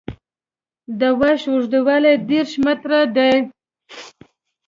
د واش اوږدوالی دېرش متره دی